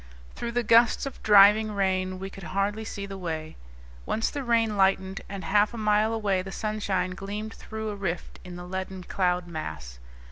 Through the gusts of driving rain we could hardly see the way. Once the rain lightened, and half a mile away the sunshine gleamed through a rift in the leaden cloud mass.